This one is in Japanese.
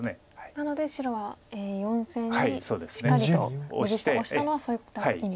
なので白は４線にしっかりと右下オシたのはそういった意味がありましたか。